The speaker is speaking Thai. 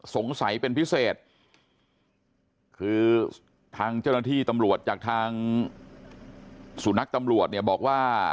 สงสัยเป็นพิเศษคือทางเจ้าหน้าที่ตำรวจจากทางสุนัขตำรวจเนี่ยบอกว่า